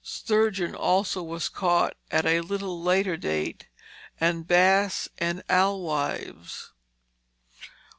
Sturgeon also was caught at a little later date, and bass and alewives.